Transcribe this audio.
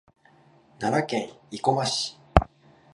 奈良県生駒市